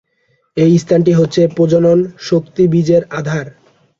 এই স্থানটি হচ্ছে প্রজনন-শক্তিবীজের আধার।